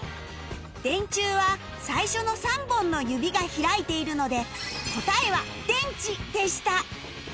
電柱は最初の３本の指が開いているので答えは「でんち」でした